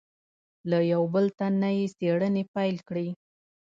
له یوه بل تن نه یې څېړنې پیل کړې.